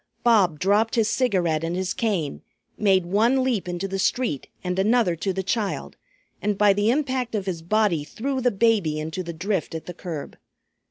Bob dropped his cigarette and his cane, made one leap into the street and another to the child, and by the impact of his body threw the baby into the drift at the curb.